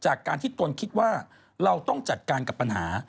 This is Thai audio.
จากการที่ตนคิดว่าเราต้องจัดการกับปัญหา